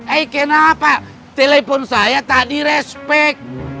eh kenapa telepon saya tak di respect